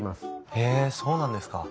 へえそうなんですか。